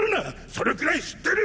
それくらい知ってる！